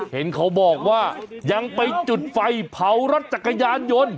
เห็นเขาบอกว่ายังไปจุดไฟเผารถจักรยานยนต์